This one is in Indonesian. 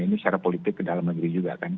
ini secara politik ke dalam negeri juga kan